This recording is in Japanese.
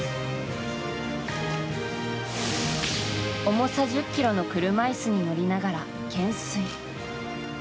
重さ１０ｋｇの車いすに乗りながら懸垂。